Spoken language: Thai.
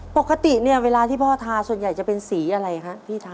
ปกติเนี่ยเวลาที่พ่อทาส่วนใหญ่จะเป็นสีอะไรคะพี่ทา